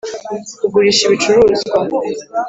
kugurisha ibicuruzwa .